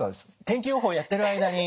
天気予報をやってる間に。